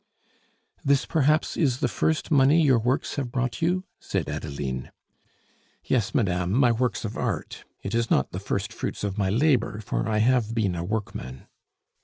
"This, perhaps, is the first money your works have brought you?" said Adeline. "Yes, madame my works of art. It is not the first fruits of my labor, for I have been a workman."